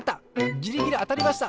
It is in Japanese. ギリギリあたりました。